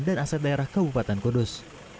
dan aset daerah kabupaten kudus